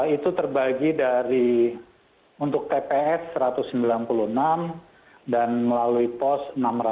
itu terbagi dari untuk tps satu ratus sembilan puluh enam dan melalui pos enam ratus